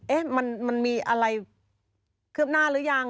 มันมีอะไรคืบหน้าหรือยัง